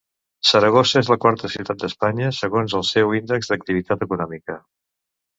Saragossa és la quarta ciutat d'Espanya segons el seu Índex d'Activitat Econòmica.